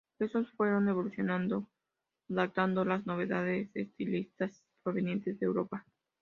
Estos fueron evolucionando adaptando las novedades estilísticas provenientes de Europa.